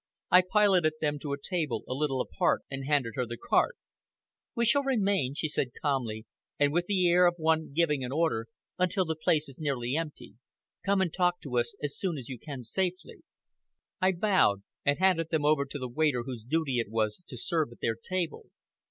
I piloted them to a table a little apart, and handed her the carte. "We shall remain," she said calmly, and with the air of one giving an order, "until the place is nearly empty. Come and talk to us as soon as you can safely." I bowed, and handed them over to the waiter whose duty it was to serve at their table.